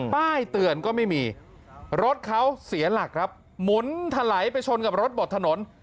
ป้ายเตือนก็ไม่มีรถเขาเสียหลักครับหมุนถลายไปชนกับรถบดถนน